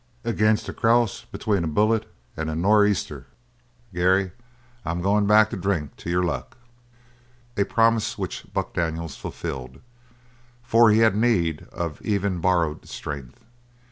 "Against a cross between a bullet and a nor'easter, Gary. I'm going back to drink to your luck." A promise which Buck Daniels fulfilled, for he had need of even borrowed strength.